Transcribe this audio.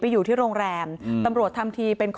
ไม่อยากให้ต้องมีการศูนย์เสียกับผมอีก